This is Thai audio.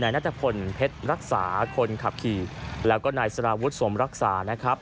นัทพลเพชรรักษาคนขับขี่แล้วก็นายสารวุฒิสมรักษานะครับ